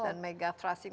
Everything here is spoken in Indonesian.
dan megathrust ini